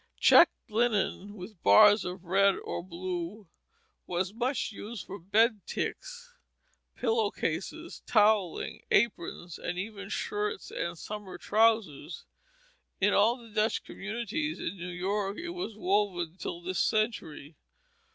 Checked linen, with bars of red or blue, was much used for bedticks, pillow cases, towelling, aprons, and even shirts and summer trousers. In all the Dutch communities in New York it was woven till this century.